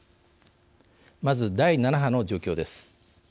まず、第７波の状況です。